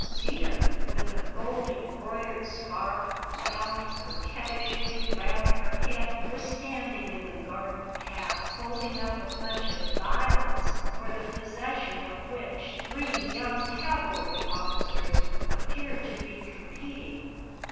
Zita, with a gold embroidered scarf wound coquettishly round her head, was standing in the garden path, holding up a bunch of violets, for the possession of which three young cavalry officers appeared to be competing.